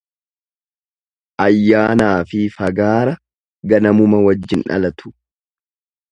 Ayyanaafi fagaara ganamuma wajjin dhalatu.